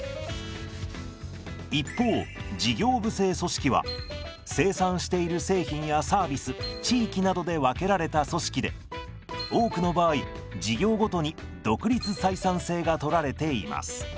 一方事業部制組織は生産している製品やサービス地域などで分けられた組織で多くの場合事業ごとに独立採算制がとられています。